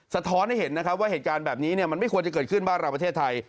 ท้อนให้เห็นนะครับว่าเหตุการณ์แบบนี้มันไม่ควรจะเกิดขึ้นบ้านเราประเทศไทย